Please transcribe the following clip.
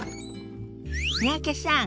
三宅さん